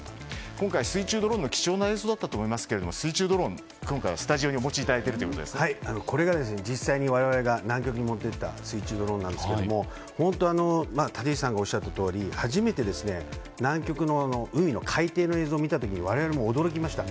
今回水中ドローンの貴重な映像だったと思いますが水中ドローン、今回はスタジオにこれが実際に我々が南極に持っていった水中ドローンなんですけども本当、立石さんがおっしゃったとおり初めて南極の海の海底の映像を見た時に我々も驚きました。